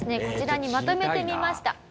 こちらにまとめてみました。